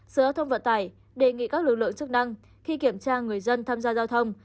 sở thông vận tải đề nghị các lực lượng chức năng khi kiểm tra người dân tham gia giao thông